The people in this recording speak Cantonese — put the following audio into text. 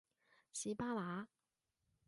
士巴拿